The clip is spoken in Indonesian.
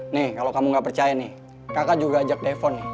nih kalau kamu gak percaya nih kakak juga ajak defon nih